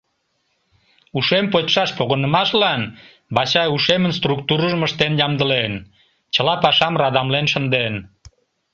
Ушем почшаш погынымашлан Вачай ушемын структурыжым ыштен ямдылен, чыла пашам радамлен шынден.